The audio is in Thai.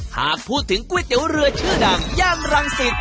หากพูดถึงก๋วยเตี๋ยวเรือชื่อดังย่านรังสิต